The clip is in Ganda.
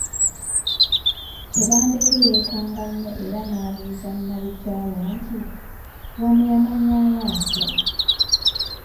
Tebandeke yeekanga nnyo era n’abuuza Nabikyalo nti, “Wano yamanyawo atya?